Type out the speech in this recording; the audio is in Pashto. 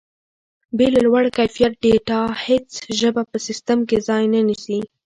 بې له لوړ کیفیت ډیټا هیڅ ژبه په سیسټم کې ځای نه نیسي.